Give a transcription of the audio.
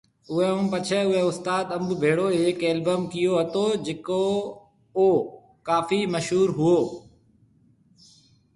اوئي ھونپڇي اوئي استاد انب ڀيڙو ھيَََڪ البم ڪيئو ھتو جڪي او ڪافي مشھور ھوئو